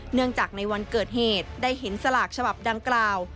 เนื่องจากในวันเกิดเหตุได้เห็นสลากฉบับดังกล่าว